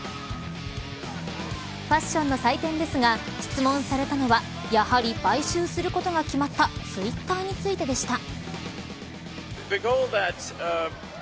ファッションの祭典ですが質問されたのは、やはり買収することが決まったツイッターについてでした。